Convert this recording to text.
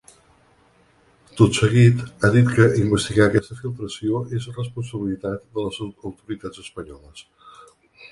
Tot seguit, ha dit que investigar aquesta filtració és responsabilitat de les autoritats espanyoles.